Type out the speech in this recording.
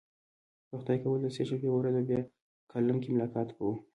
که خدای کول د سه شنبې په ورځ به بیا کالم کې ملاقات کوو.